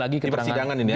di persidangan ini ya